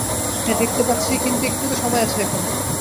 হ্যাঁ দেখতে পাচ্ছি, কিন্তু একটু তো সময় আছে এখনো।